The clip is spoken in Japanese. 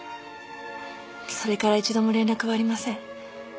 それから一度も連絡はありません。